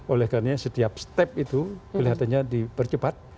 olehkannya setiap step itu kelihatannya dipercepat